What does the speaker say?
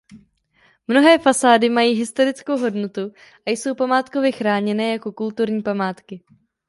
Mnohé fasády mají historickou hodnotu a jsou památkově chráněné jako kulturní památky.